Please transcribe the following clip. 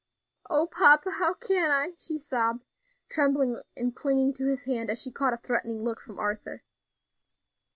"O papa! how can I?" she sobbed, trembling and clinging to his hand as she caught a threatening look from Arthur.